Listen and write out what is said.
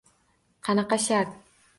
— Qanaqa shart?